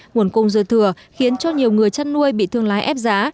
nguồn cung dư thừa khiến cho nhiều người chăn nuôi bị thương lái ép giá